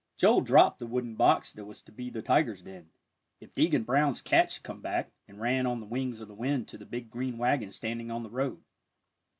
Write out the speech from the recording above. Joel dropped the wooden box that was to be the tiger's den, if Deacon Brown's cat should come back, and ran on the wings of the wind to the big green wagon standing out in the road.